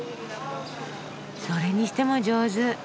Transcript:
それにしても上手。